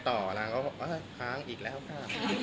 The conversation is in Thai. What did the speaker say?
ทำไมอะไรต่อห้างอีกแล้วค่ะ